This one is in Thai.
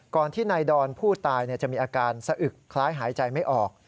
ที่นายดอนผู้ตายจะมีอาการสะอึกคล้ายหายใจไม่ออก